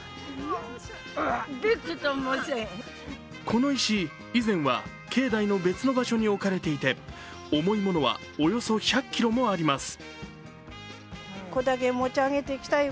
この石、以前は境内の別の場所に置かれていて重いものはおよそ１００ｋｇもあります